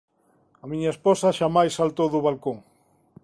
A miña esposa xamais saltou do balcón.